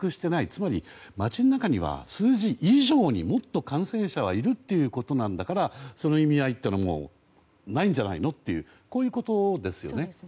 つまり街の中には数字以上にもっと感染者はいるということなんだからその意味合いというのもないんじゃないのっていうこういうことですよね。